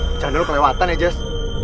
bercanda lo kelewatan ya jess